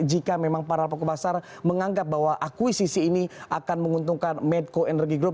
jika memang para pokok pasar menganggap bahwa akuisisi ini akan menguntungkan medco energy group